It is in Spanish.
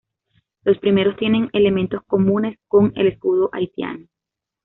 Los primeros tienen elementos comunes con el escudo haitiano.